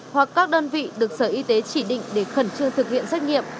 hoặc các đơn vị được sở y tế chỉ định để khẩn trương thực hiện xét nghiệm